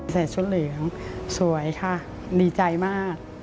ใส่ชุดเหลืองสวยค่ะดีใจมาก